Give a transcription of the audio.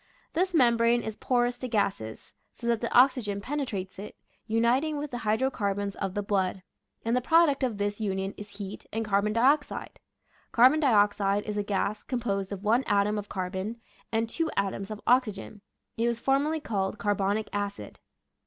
This membrane is porous to gases, so that the oxygen penetrates it, uniting with the hydro carbons of the blood, and the product of this union is heat and carbon dioxide. (Carbon dioxide is a gas composed of one atom of car bon and two atoms of oxygen. It was formerly called carbonic acid.)